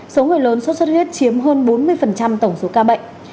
số người lớn sốt xuất huyết chiếm hơn bốn mươi tổng số ca bệnh